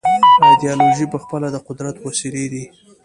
ایدیالوژۍ پخپله د قدرت وسیلې دي.